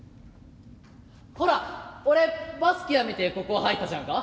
ほら俺バスケやめてここ入ったじゃんか？